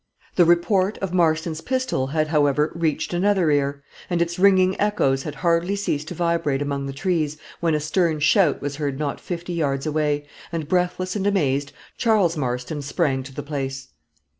The report of Marston's pistol had, however, reached another ear; and its ringing echoes had hardly ceased to vibrate among the trees, when a stern shout was heard not fifty yards away, and, breathless and amazed, Charles Marston sprang to the place.